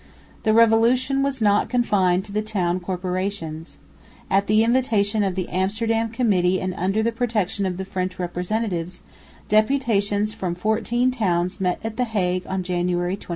The Revolution was not confined to the town corporations. At the invitation of the Amsterdam Committee and under the protection of the French representatives, deputations from fourteen towns met at the Hague on January 26.